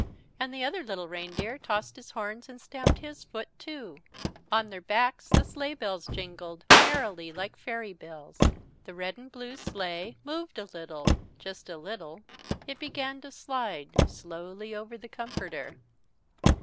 And the other little reindeer tossed his horns and stamped his foot too. On their backs the sleigh bells jingled, merrily like fairy bells. The red and blue sleigh moved a little just a little. It began to slide slowly, over the comforter.